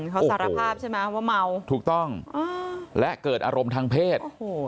เขาสารภาพใช่ไหมว่าเมาถูกต้องและเกิดอารมณ์ทางเพศ